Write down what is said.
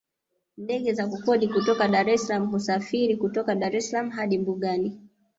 Ndege za kukodi kutoka Dar es salaam husafiri kutoka Dar es Salaam hadi mbugani